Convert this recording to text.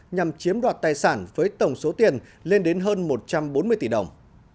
nhằm chiếm đoạt tài sản với tổng số tiền lên đến hơn một trăm bốn mươi tỷ đồng